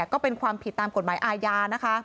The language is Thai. ก็เป็นความผิดตามกฎหมายอาญานะคะ